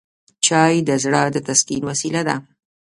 چای د زړه د تسکین وسیله ده